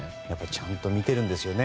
ちゃんと見てるんですよね